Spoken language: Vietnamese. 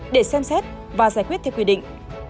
để xem xét và giải quyết theo quy định